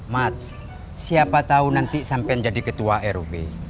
mat siapa tau nanti sampian jadi ketua rub